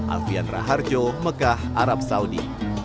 alfian raharjo mekah arab saudi